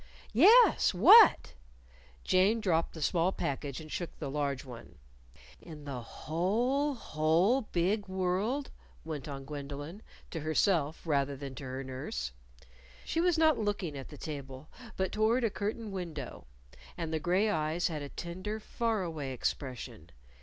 "Yes, what?" Jane dropped the small package and shook the large one. "In the whole, whole big world?" went on Gwendolyn to herself rather than to her nurse. She was not looking at the table, but toward a curtained window, and the gray eyes had a tender faraway expression.